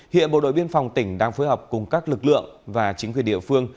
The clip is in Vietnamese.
hiện bộ đội biên phòng tỉnh đang phối hợp cùng các lực lượng và chính quyền địa phương